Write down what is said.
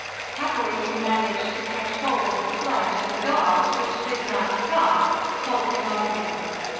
Happily he managed to catch hold of the sledge, and the dogs, which did not stop, pulled him up again.